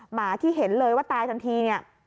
หมาที่เห็นเลยว่าตายทันที